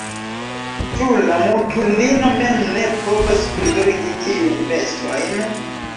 Ĉu la mutulino mem ne povas prizorgi tiujn vestojn?